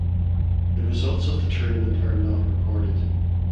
The results of the tournament are not recorded.